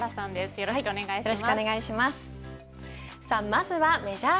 よろしくお願いします。